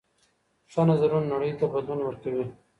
ښه نظرونه نړۍ ته بدلون ورکوي.